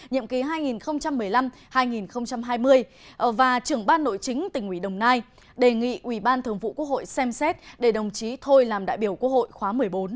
nhiệm ký hai nghìn một mươi năm hai nghìn hai mươi và trưởng ban nội chính tỉnh uỷ đồng nai đề nghị ubkt xem xét để đồng chí thôi làm đại biểu quốc hội khóa một mươi bốn